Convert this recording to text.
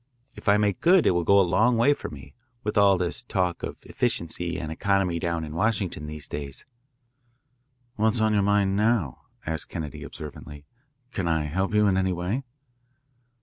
If I make good it will go a long way for me with all this talk of efficiency and economy down in Washington these days." "What's on your mind now?" asked Kennedy observantly. "Can I help you in any way?"